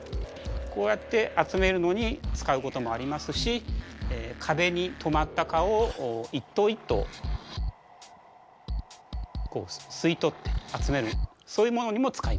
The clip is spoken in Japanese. こうやって集めるのに使うこともありますし壁に止まった蚊を一頭一頭吸い取って集めるそういうものにも使います。